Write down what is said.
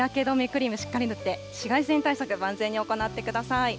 クリームしっかり塗って、紫外線対策万全に行ってください。